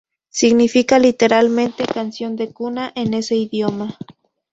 Significa literalmente "canción de cuna" en ese idioma.